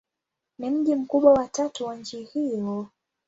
Ni mji mkubwa wa tatu wa nchi hiyo.